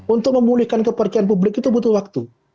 untuk memulihkan kepercayaan publik itu butuh waktu